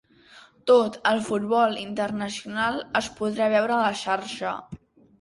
Tot el futbol internacional es podrà veure a la xarxa